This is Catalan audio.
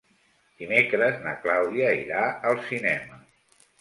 Dimecres na Clàudia irà al cinema.